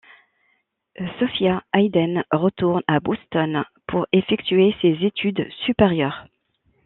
Sophia Hayden retourne à Boston pour effectuer ses études supérieures.